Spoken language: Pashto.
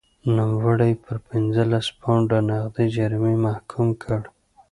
نوموړی یې پر پنځلس پونډه نغدي جریمې محکوم کړ.